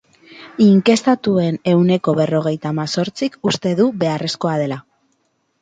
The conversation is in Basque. Inkestatuen ehuneko berrogeita hamazortzik uste du beharrezkoa dela.